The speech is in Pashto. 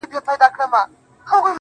o بس ده د خداى لپاره زړه مي مه خوره.